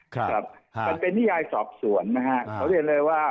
ครับมันเป็นนิยายสอบสวนนะฮะขอเรียนเลยว่า